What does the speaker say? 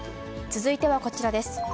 続いてはこちらです。